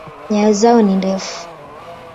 Nyayo zao ni ndefu.